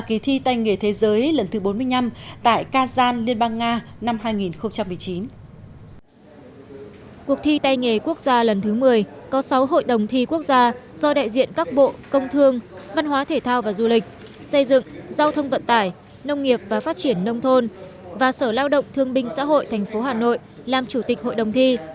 kỳ thi tay nghề quốc gia lần thứ một mươi có sáu hội đồng thi quốc gia do đại diện các bộ công thương văn hóa thể thao và du lịch xây dựng giao thông vận tải nông nghiệp và phát triển nông thôn và sở lao động thương minh xã hội tp hà nội làm chủ tịch hội đồng thi